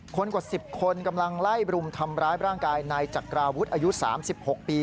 กว่า๑๐คนกำลังไล่รุมทำร้ายร่างกายนายจักราวุฒิอายุ๓๖ปี